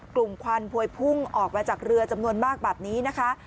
ควันพวยพุ่งออกมาจากเรือจำนวนมากแบบนี้นะคะ